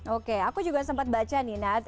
oke aku juga sempat baca nih nat